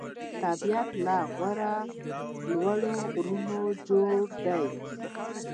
طبیعت له دغو لوړو غرونو جوړ دی.